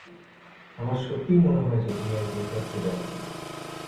আমার সত্যিই মনে হয় যে, তুমি একজন সেক্সি ড্যান্সার।